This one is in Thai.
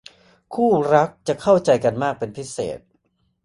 คู่รักจะเข้าใจกันมากเป็นพิเศษ